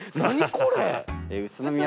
これ。